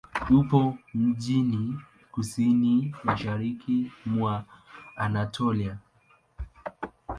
Upo mjini kusini-mashariki mwa Anatolia.